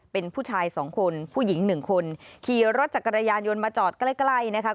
เป็นผู้ชายสองคนผู้หญิงหนึ่งคนขี่รถจักรยานยนต์มาจอดใกล้ใกล้นะคะ